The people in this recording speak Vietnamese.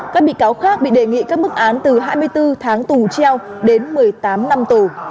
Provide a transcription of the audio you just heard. các bị cáo khác bị đề nghị các mức án từ hai mươi bốn tháng tù treo đến một mươi tám năm tù